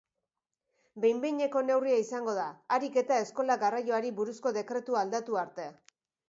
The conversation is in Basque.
Behin-behineko neurria izango da, harik eta eskola-garraioari buruzko dekretua aldatu arte.